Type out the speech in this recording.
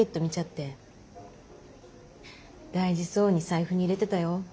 大事そうに財布に入れてたよ。